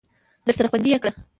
درسره خوندي یې کړه !